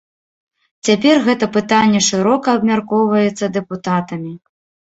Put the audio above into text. Цяпер гэта пытанне шырока абмяркоўваецца дэпутатамі.